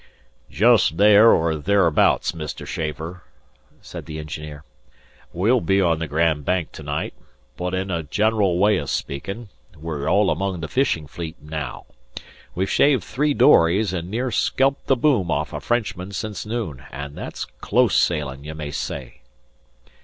"Just there or thereabouts, Mr. Schaefer," said the engineer. "We'll be on the Grand Bank to night; but in a general way o' speakin', we're all among the fishing fleet now. We've shaved three dories an' near scalped the boom off a Frenchman since noon, an' that's close sailing', ye may say."